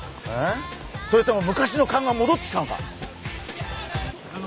それとも昔のカンがもどってきたのか。